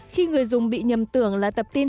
khi người dùng bị nhầm tưởng là tập tin